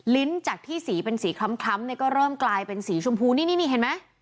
จากที่สีเป็นสีคล้ำเนี่ยก็เริ่มกลายเป็นสีชมพูนี่นี่เห็นไหม